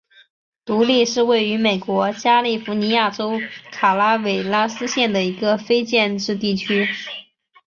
独立是位于美国加利福尼亚州卡拉韦拉斯县的一个非建制地区。